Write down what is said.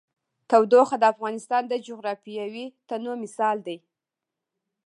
تودوخه د افغانستان د جغرافیوي تنوع مثال دی.